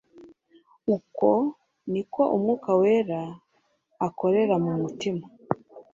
Uko niko Umwuka wera akorera mu mutima.